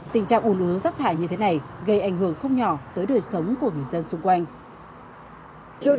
tình trạng u nướng rác thải như thế này gây ảnh hưởng không nhỏ tới đời sống của người dân xung quanh